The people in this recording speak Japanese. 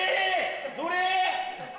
どれ？